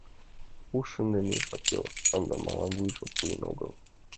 Уш шындыме жап ял радамлан вуйжым пуэн огыл.